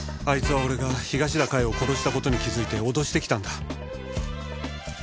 あいつは俺が東田加代を殺した事に気づいて脅してきたんだ。